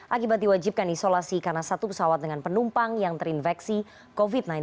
akibat diwajibkan isolasi karena satu pesawat dengan penumpang yang terinfeksi covid sembilan belas